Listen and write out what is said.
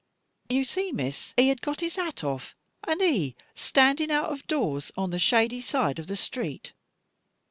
You see, Miss, he had got his hat off, and he standing out of doors, on the shady side of the street!